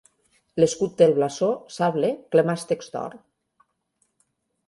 L'escut té el blasó "sable, clemàstecs d'or".